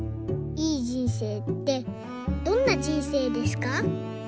いい人生ってどんな人生ですか？」。